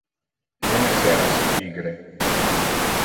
Non esser assi pigre.